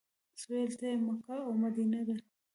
سویل ته یې مکه او مدینه ده.